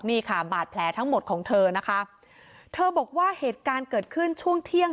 นี่ค่ะบาดแผลทั้งหมดของเธอนะคะเธอบอกว่าเหตุการณ์เกิดขึ้นช่วงเที่ยง